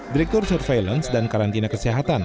direktur surveillance dan karantina kesehatan